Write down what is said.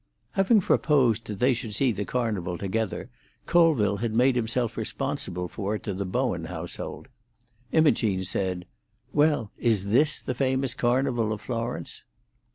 Having proposed that they should see the Carnival together, Colville had made himself responsible for it to the Bowen household. Imogene said, "Well is this the famous Carnival of Florence?"